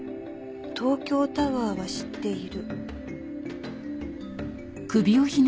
「東京タワーは知っている」